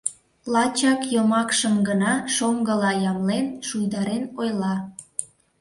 Лачак йомакшым гына шоҥгыла ямлен, шуйдарен ойла.